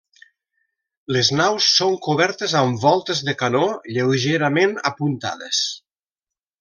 Les naus són cobertes amb voltes de canó lleugerament apuntades.